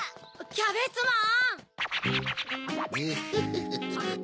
キャベツマン！